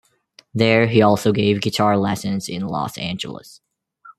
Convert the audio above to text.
There, he also gave guitar lessons in Los Angeles.